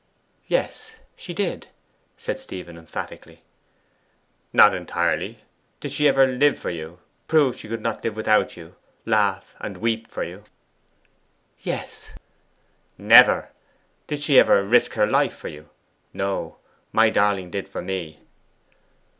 Yes, she did,' said Stephen emphatically. 'Not entirely. Did she ever live for you prove she could not live without you laugh and weep for you?' 'Yes.' 'Never! Did she ever risk her life for you no! My darling did for me.